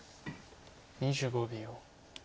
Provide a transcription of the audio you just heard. ２５秒。